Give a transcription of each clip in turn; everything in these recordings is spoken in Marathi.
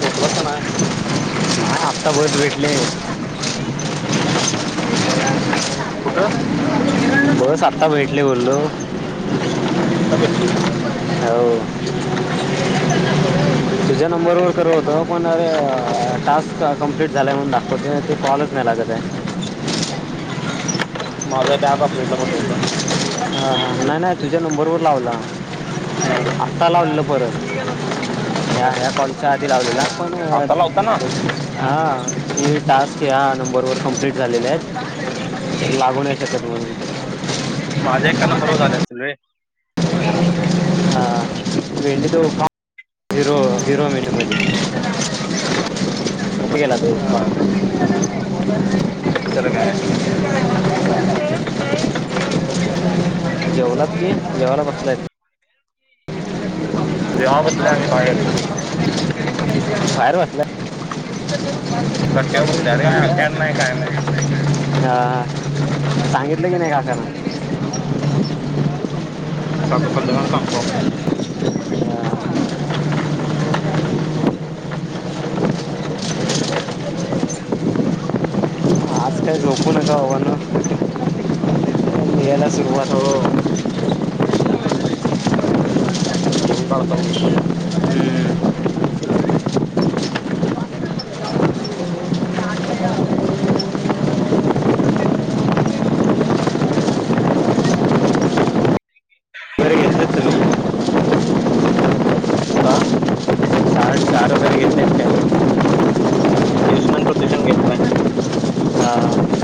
पोचलाच ना आहे. ता बत भेटले. कुठं बस आता भेटले बोललो आत्ता भेटली होय. हो. तुझ्या नंबरवरर करव होत पण अरे टास्क कंप्लीट झालं म्हून दाखोते ते कॉलच मेला का ते माझा ब्या बा फटला पडत होत. ह ह नाही नाही तुझ्या नंबरवरर लावला. हा आत्ताला आडल परत पडच्या आधी लावलेला पण आता लावता ना हां. की टास्क ह्या नंबरवर कंप्लीट झालेले आहेत लागू नाही शकत म्हण. माझ्या एकाना बरोबर झाले असतील रे [unintelligible] हिरो हिरो मिीठ ला उप केला दे उप [unintelligible] तरला काय? जेवलात गी जेवाला बसलाय जेवबसल्या आम्ही बाहेर बाहेर बसलं कट्ट्यावर बसले अरे काय फॅन नाही काय नाही हा सांगितलं की नाही का तो सध ना सांगतो अं, आज काय झोपू नका हवा ना याला सुवात हो अ पण का े वगैरे घेतलेत [inaudible] तुम्ही का चार चार वगैरे घेतलेत काय यश न आणि प्रतीक्षा ने घेतला अं,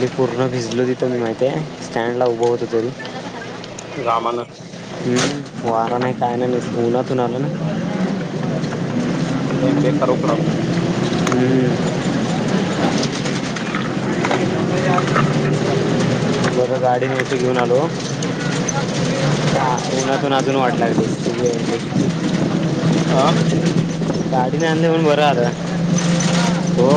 मी पूर्ण भिजलो तिथं मी माहिती आहे स्टँडला उभा होतो तरी रामान हम वारा नाय काय नाय नुसतं उन्ह अजून आलं नाही - लय बेकार उकडालतो हम बघा गाडी नव्हती घेऊन आलो पुण्यातून अजून वाट [inaudible] आ गाडीने आणले म्हणून बरं आलं हो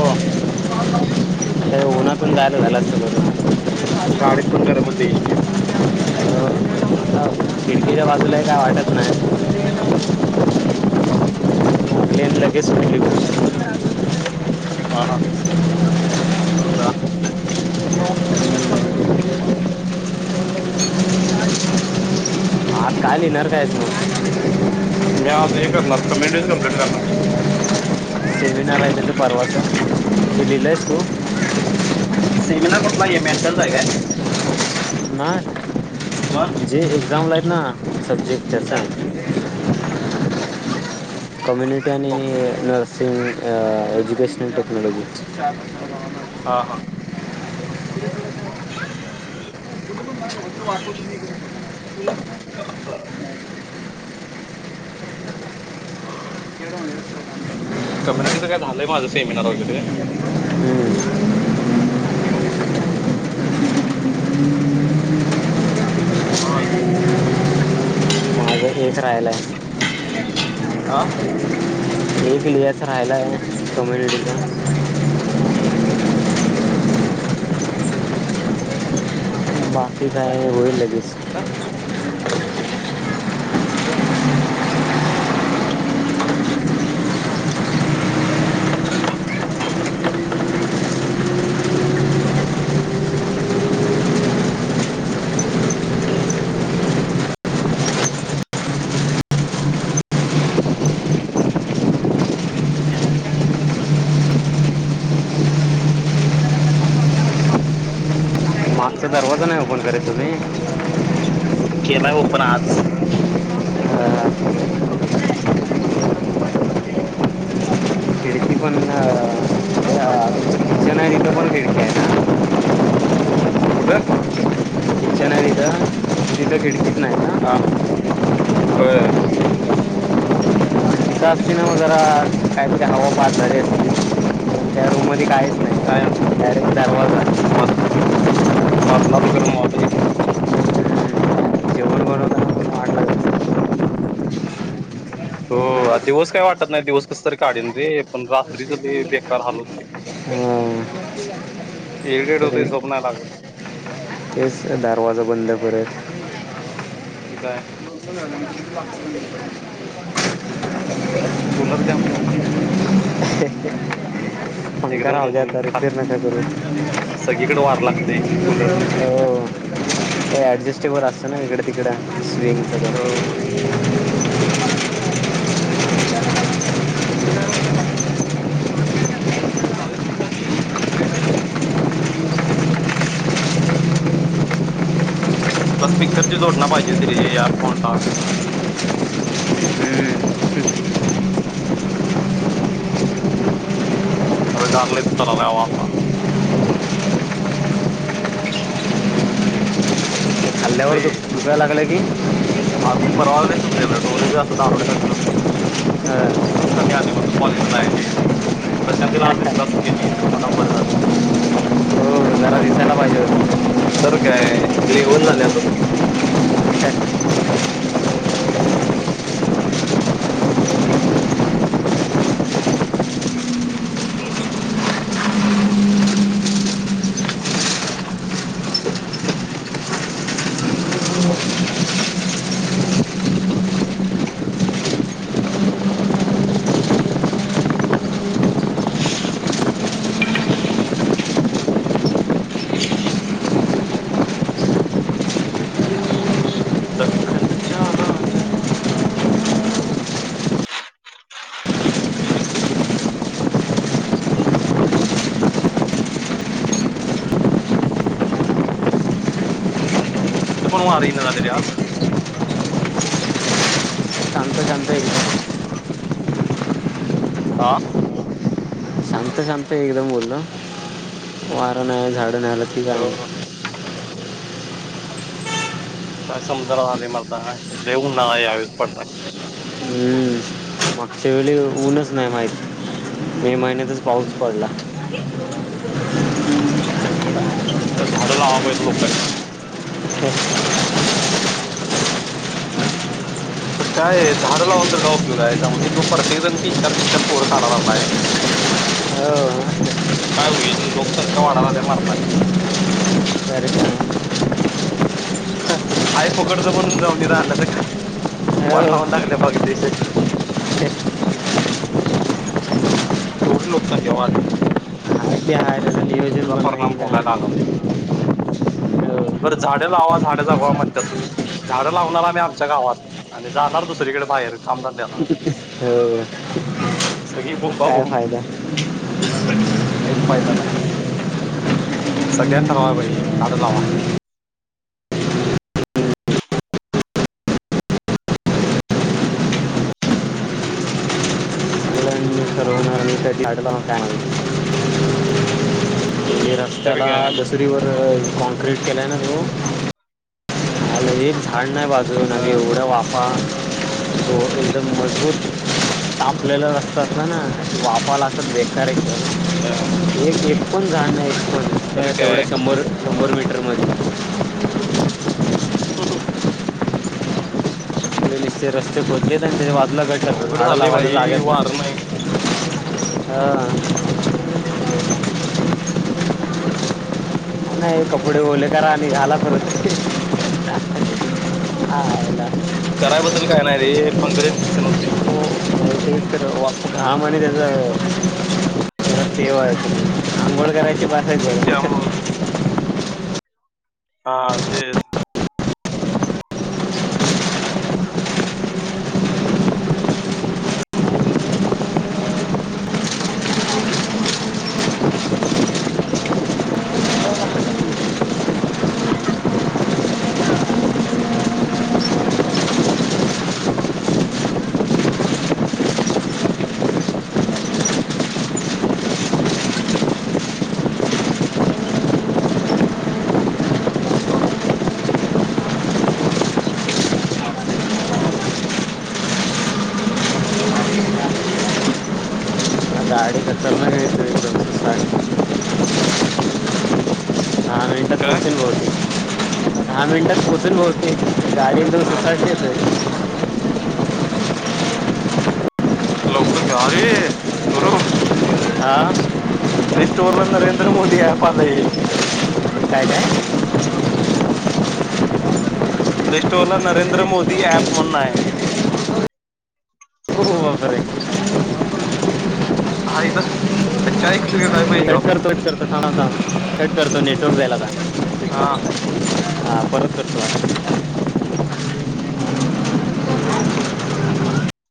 उन्हातून जायला त्याला सोडून पण गाडीत पण गरम होते एसटीत खिडकीच्या बाजूला ही काय वाटत नाही हम ह प्लेन लगेच सुटली होती हा हा बोला ह आज काय लिहिणार काय आहेस मग मी आज हे करणार कम्युनिटी च कम्प्लीट करणार सेमिनार आहे ते परवाचं ते लिहिलयस तू हा हे मेंटलच आहे काय मग नाही जे एक्झाम ला ना सब्जेक्ट ज्याचा आहे [inaudible] कम्युनिटी- आणि बघ नस- [unintelligible] अ.. एज्युकेशनल टेक्नॉलॉजी. हा हा. ह [inaudible] [unintelligible] ह कम्युनिटीच काय झालंय, माझं सेमिनार वगैरे. [unintelligible] बास [inaudible] [unintelligible] एक राहिलाय आ.. एक लिहायचा राहिलाय हो 'कम्युनिटी' चा. हूं.. अ.. बाकी काय हो होईल लगेच. अ हो. का काय बंद पडल आहे [inaudible] का बंद पडला आहे आता काय चाले चकरी चालू मागचा होता दरवाजा नाही ओपन करत तुम्ही [unintelligible] केला. हो [unintelligible] आज अं, [unintelligible] लागते. खिडकी पण किचन ह आहे तिथं पण खिडकी आहे ना कुठं? तिथ खिडकीत नाही हा हा ना? होय - [unintelligible] ना वगैरा काय तरी हवा पाारणारी असं. त्या रूम मध्ये काय? काय ओ म मरणाच गरम होत - जेवण बनवताना पण वाट लागत हो दिवस काय वाटत नाही दिवस कस तरी काढीन रे- पण रात्रीच ते बेकार हाल होत हां इरिटेड होते तरी झोप नाही लागत. तेच त दरवाजा बंद परत. [unintelligible] काय [inaudible] कूलर द्या म्हणू का त्यांना? पंखा राहू द्या आता ते रिपेअर नका करू सगळीकडे वार लागते [inaudible] कूलरनं हो ते ऍडजस्टेबल असत. [unintelligible] तिकडं अ, सेम [unintelligible] [inaudible] बनवा. लागत तिथ ती बेंड होते. बस स्पीकरची जोडण पाहिजे होतीे रे या फोनला. [unintelligible] खाल्ल्यावर सुचले दु दुखायला लागलं की परवाार नाही सुचले रोजे असं दहा रुटया खारखेऊ पण सूज कमी आली बघ कॉलेजला जायचे हच्यात प्रशांतीला आज हां दिसलं असतं की नाही तर मला बरं झालं हो जरा दिसायला पाहिजे होतं तर काय लवल ना ता सग दखणच्या राज तर पण हो आ रही ना झाले रे आज शांत शांत एकदम आह शांत एकदम बोलल वाराण झाड नलती कायन अ, काय समुद्र वा मरतावू नाय आस पडता हम्म मागच्या वेळी ऊनच नाही माहत मे महिन्यातच पाऊस पडला उघडा आता झाड लावावंयेत लोकांनी हो तर काय झाड लावून ज का उपयोग आहे जाऊनो प्रत्येक जण तीन चार तीन चार पोरं काढाय लालाय होईल हो लोकसंख्या वाढलाल्या मरणाची अरे हो आहेय पकडच म्हणून जाऊन अंड्याचं ख वाट लावून टाकले फग देशाची हाय एवढी लोकसंख्या वाढली ते हाय त्याचं नियोजन त्याचा पण परिणाम नाही काय भोगायला लागणार आहे नाही हो बर झाडे लावा झाडे जागवा म्हणतात झाडं लावणार आम्ही आमच्या गावात आणि जाणार दुसरीकडे बाहेर कामधंद्याला हो सगळी काय बोंब फायदा काहीच फायदा नाही सगळ्यांनी ठरवा पाहिजे झाडं लावा मुलांनी ठरवणार मी कधी अडला काय माहिती. तर त्याला काय दसुरीवर कॉँक्रीट केलाय ना तो झा नाही बाजून अ, आणि एवढं वाफा हो मजबूत लेलं रस्तात ना वाफ लागतात बकारे अ, हे एक पण जा तर नाही तेवढ्या काय शंभर शंभर मिीट तर मध ह नसते रस्ते खोदलेत आणि त्या वाजलं गट अवघड झाडं झालंय लावायला भाई जाग्यात वार नाही हा ह कपडे ओले करा आणि घाला परत [unintelligible] करायबद्दल काय नाही रे फंगल इन्फेक्शन होते ते तर घाम आणि त्याचा [inaudible] तेेव [unintelligible] आंघोळ करायची त्यामुळं [unintelligible] हा तेच गाडी खतरनाक येतो एकदम साडी दहा मिनिटात काय - पोहोचेन - बहुतेक दहा मिनिटात पोहोचेन बहुतेक गाडी एकदम हा हा सुसाटलीच आहे लवकर क हरी स्रूप हा लिस्ट वरला नरेंद्र मोदी ऍप आलाय [inaudible] काय काय प्ले स्टोर ला नरेंद्र मोदी ऍप म्हणून आहे हो हो [unintelligible] [unintelligible] अच्छा एक तु कट करतो कट करत सग सांग कट करत नेटवर्क जाईल आता हा ह परत करतो